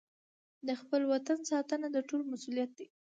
د خپل وطن ساتنه د ټولو مسوولیت دی.